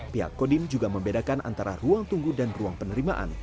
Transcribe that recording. pihak kodim juga membedakan antara ruang tunggu dan ruang penerimaan